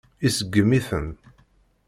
Iseggem-iten.